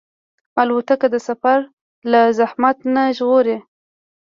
الوتکه د سفر له زحمت نه ژغوري.